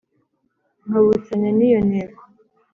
nkabusanya n’iyo ntego